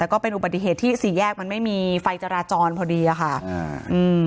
แล้วก็เป็นอุบัติเหตุที่สี่แยกมันไม่มีไฟจราจรพอดีอ่ะค่ะอ่าอืม